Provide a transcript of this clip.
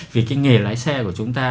vì cái nghề lái xe của chúng ta